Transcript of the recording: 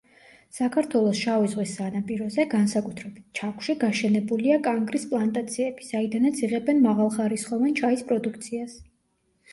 საქართველოს შავი ზღვის სანაპიროზე, განსაკუთრებით ჩაქვში, გაშენებულია კანგრის პლანტაციები, საიდანაც იღებენ მაღალხარისხოვან ჩაის პროდუქციას.